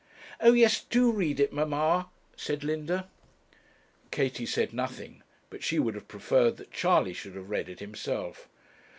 'O yes, do read it, manna,' said Linda. Katie said nothing, but she would have preferred that Charley should have read it himself.